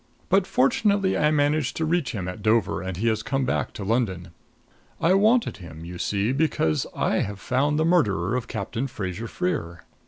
But fortunately I managed to reach him at Dover and he has come back to London. I wanted him, you see, because I have found the murderer of Captain Fraser Freer."